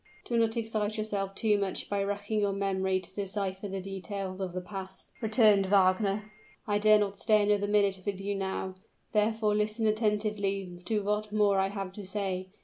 "Do not excite yourself too much by racking your memory to decipher the details of the past," returned Wagner. "I dare not stay another minute with you now: therefore listen attentively to what more I have to say.